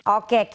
oke kita tunggu